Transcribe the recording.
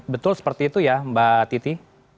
betul seperti itu ya mbak titi